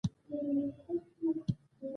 انګلیسي د یوی ښه راتلونکې کلۍ ده